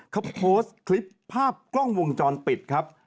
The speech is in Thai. เขาโพสต์คลิปภาพกล้องวงจรปิดครับ